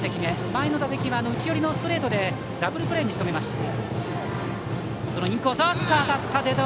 前の打席は内寄りのストレートでダブルプレーにしとめました。